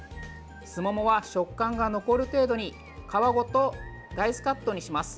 すももは、食感が残る程度に皮ごとダイスカットにします。